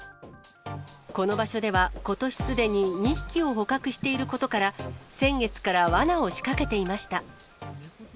この場所では、ことし、すでに２匹を捕獲していることから、先月からわなを仕掛けていました。